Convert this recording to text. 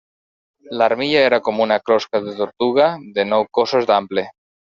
L'armilla era com una closca de tortuga, de nou cossos d'ample.